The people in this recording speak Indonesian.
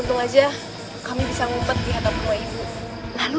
untung aja kami bisa ngumpet di atap rumah ibu